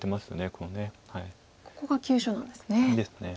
ここが急所なんですね。